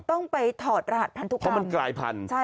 ต้องไปถอดรหัสพันธุกรรมเพราะมันกลายพันธุ์